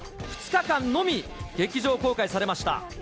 ２日間のみ劇場公開されました。